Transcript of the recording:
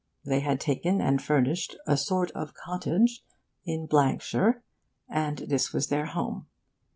They had taken and furnished 'a sort of cottage' in shire, and this was their home.